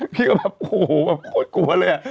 พี่ก็แบบโอ้โหแบบโหดกลัวเลย